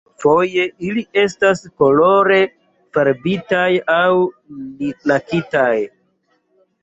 Foje ili estas kolore farbitaj aŭ lakitaj.